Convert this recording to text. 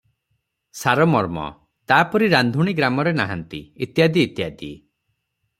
ସାରମର୍ମ, ତା'ପରି ରାନ୍ଧୁଣୀ ଗ୍ରାମରେ ନାହାନ୍ତି, ଇତ୍ୟାଦି ଇତ୍ୟାଦି ।